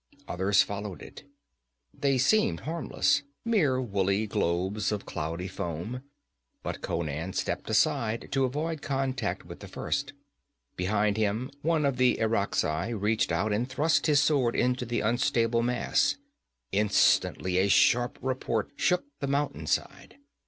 Others followed it. They seemed harmless, mere woolly globes of cloudy foam, but Conan stepped aside to avoid contact with the first. Behind him one of the Irakzai reached out and thrust his sword into the unstable mass. Instantly a sharp report shook the mountainside.